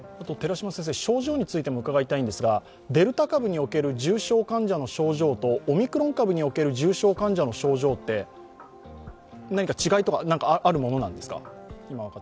症状についても伺いたいんですが、デルタ株における重症患者の症状と、オミクロン株における重症患者の何か違いがあるものですか？